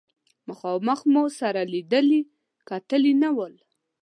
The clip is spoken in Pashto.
مخامخ مو سره لیدلي کتلي نه ول.